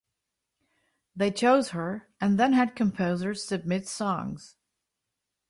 They chose her, and then had composers submit songs.